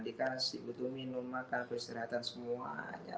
dikasih butuh minum makan persyaratan semuanya